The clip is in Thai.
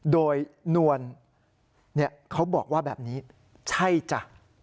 โดยนวลเขาบอกว่าแบบนี้ใช่จ้ะ